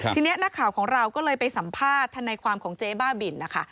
ทีนี้นักข่าวของเราก็เลยไปสัมภาษณ์ทนายความของเจ๊บ้าบินนะคะ